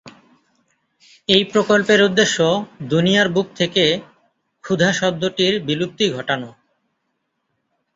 এই প্রকল্পের উদ্দেশ্য, দুনিয়ার বুক থেকে ক্ষুধা শব্দটির বিলুপ্তি ঘটানো।